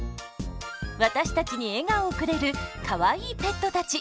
私たちに笑顔をくれるかわいいペットたち。